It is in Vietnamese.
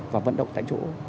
và vận động tại chỗ